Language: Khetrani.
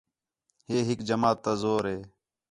ہِے ہِِک جماعت تا زور ہِے